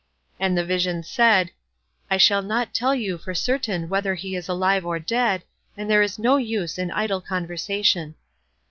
And the vision said, "I shall not tell you for certain whether he is alive or dead, and there is no use in idle conversation."